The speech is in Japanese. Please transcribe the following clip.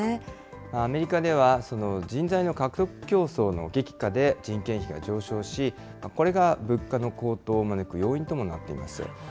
アメリカでは、その人材の獲得競争の激化で、人件費が上昇し、これが物価の高騰を招く要因ともなっています。